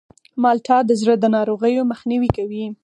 مالټه د زړه د ناروغیو مخنیوی کوي.